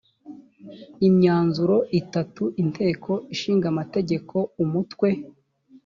imyanzuro itatu inteko ishinga amategeko umutwe